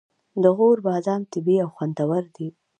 د غور بادام طبیعي او خوندور دي.